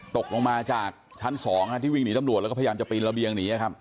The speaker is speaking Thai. ตกลงมาจากชั้นสองหาดิวก็วิ่งหนีตำรวจแล้วก็พยายามจะไประเบียง